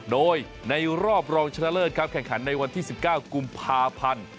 โดยในรอบรองชนะเลิศครับแข่งขันในวันที่๑๙กุมภาพันธ์